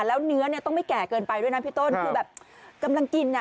แล้วเนื้อเนี่ยต้องไม่แก่เกินไปด้วยนะพี่ต้นคือแบบกำลังกินอ่ะ